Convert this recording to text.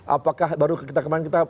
apakah baru kita kemarin